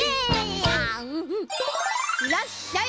いらっしゃい。